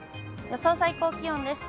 予想最高気温です。